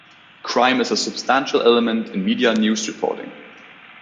Crime is a substantial element in media news reporting.